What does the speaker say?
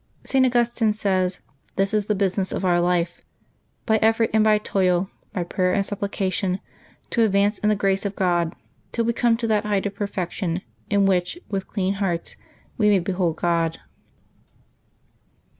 — St. Augustine says :'^ This is the busi ness of our life : by effort and by toil, by prayer and suppli cation, to advance in the grace of Gk)d, till we come to that height of perfection in which with clean hearts we may behold God."